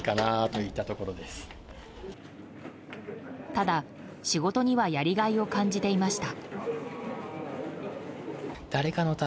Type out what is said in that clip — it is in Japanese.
ただ、仕事にはやりがいを感じていました。